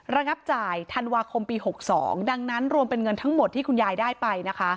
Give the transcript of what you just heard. ระงับจ่ายธันวาคมปี๖๒ดังนั้นรวมเป็นเงินทั้งหมดที่คุณยายได้ไปนะคะ